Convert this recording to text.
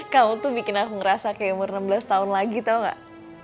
kau tuh bikin aku ngerasa kayak umur enam belas tahun lagi tau gak